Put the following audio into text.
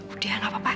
udah gak apa apa